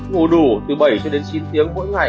ngủ đủ từ bảy đến chín tiếng mỗi ngày